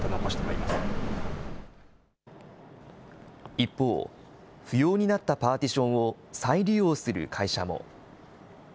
一方、不要になったパーティションを再利用する会社も。